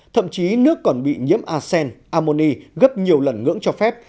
thậm chí nước còn bị nhiễm arsen ammoni gấp nhiều lần ngưỡng cho phép